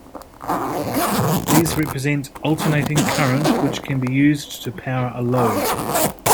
These represent alternating current which can be used to power a load.